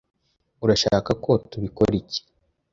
Urashaka ko tubikora iki?